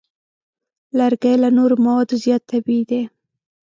لرګی له نورو موادو زیات طبیعي دی.